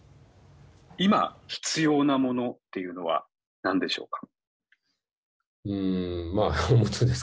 今、必要なものというのはなんでしょうか？